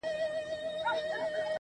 خدايه له بـهــاره روانــېــږمه.